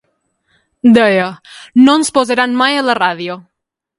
Deia, 'no ens posaran mai a la ràdio'.